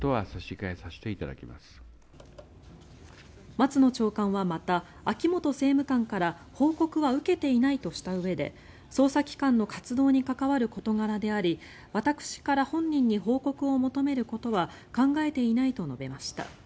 松野長官はまた秋本政務官から報告は受けていないとしたうえで捜査機関の活動に関わる事柄であり私から本人に報告を求めることは考えていないと述べました。